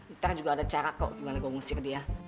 ntar juga ada cara kok gimana gue mengusir dia